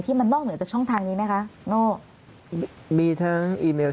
ที่มันนอกเหนือจากช่องทางนี้ไหมคะโง่